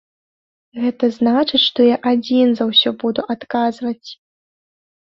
Гэта значыць, што я адзін за ўсё буду адказваць.